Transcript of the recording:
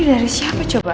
ini dari siapa coba